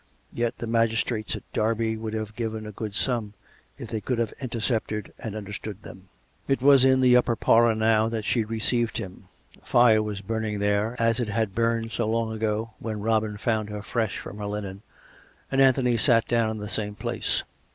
Yet the magistrates at Derby would have given a good sum if they could have inter cepted and understood them. It was in the upper parlour now that she received him. A fire was burning there, as it had burned so long ago, when Robin found her fresh from her linen, and Anthony sat down in the same place.